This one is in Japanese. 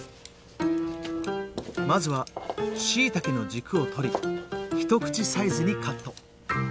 まずはしいたけの軸を取り一口サイズにカット。